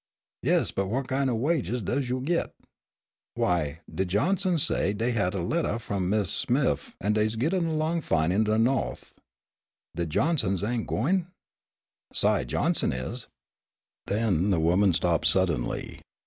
"Yes, but what kin' o' wages does yo' git? Why, de Johnsons say dey had a lettah f'om Miss Smiff an' dey's gettin' 'long fine in de Nawth." "De Johnsons ain' gwine?" "Si Johnson is " Then the woman stopped suddenly.